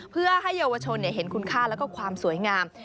เพื่อให้เยาวชนเห็นคุณค่าแล้วก็ความสวยงาม